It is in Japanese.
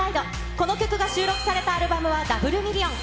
この曲が収録されたアルバムはダブルミリオン。